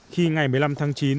khi ngày một mươi năm tháng chín